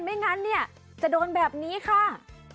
ไม่งั้นเนี่ยจะโดนแบบนี้ค่ะ